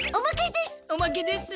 おまけです！